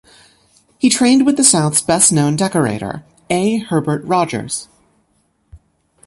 He trained with the South's best-known decorator, A. Herbert Rodgers.